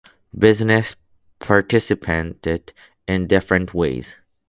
Businesses participated in different ways.